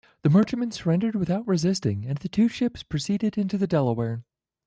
The merchantman surrendered without resisting, and the two ships proceeded into the Delaware.